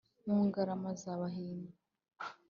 Mu Ngarama za Bahimba